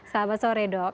selamat sore dok